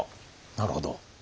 なるほど。